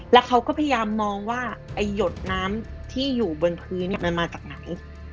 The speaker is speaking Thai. แล้วเขาก็พยายามมองว่าไอ้หยดน้ำที่อยู่บนพื้นมันมาจากไหน